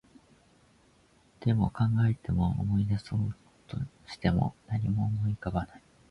でも、考えても、思い出そうとしても、何も思い浮かばない